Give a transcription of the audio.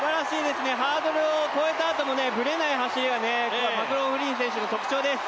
ハードルを越えたあともぶれない走りはマクローフリン選手の特徴です。